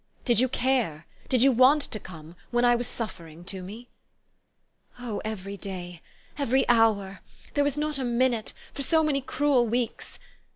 Did you care? Did you want to come when I was suffering to me ?'' "Oh! every day, every hour there was not a minute for so many cruel weeks.